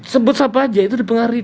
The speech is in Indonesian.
sebut siapa aja itu dipengaruhi